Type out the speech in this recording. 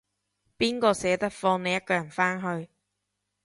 邊個捨得放你一個人返去